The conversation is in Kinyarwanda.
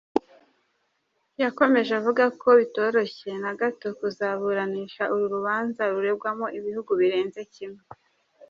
Yakomeje avuga ko bitorohoshye na gato kuzaburanisha uru rubanza rurengwamo ibihugu birenze kimwe.